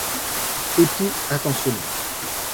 Époux Attentionné.